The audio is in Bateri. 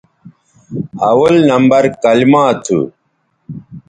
اول نمبر کلما تھو